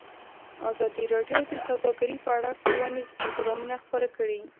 ازادي راډیو د سوداګري په اړه ښوونیز پروګرامونه خپاره کړي.